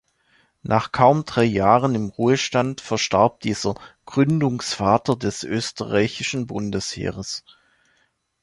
Nach kaum drei Jahren im Ruhestand verstarb dieser „Gründungsvater“ des österreichischen Bundesheeres.